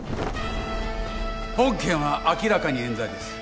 本件は明らかにえん罪です